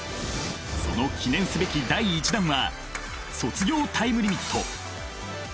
その記念すべき第１弾は「卒業タイムリミット」。